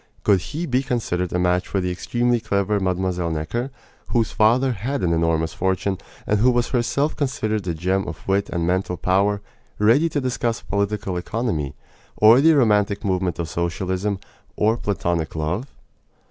Could he be considered a match for the extremely clever Mlle. Necker, whose father had an enormous fortune, and who was herself considered a gem of wit and mental power, ready to discuss political economy, or the romantic movement of socialism, or platonic love?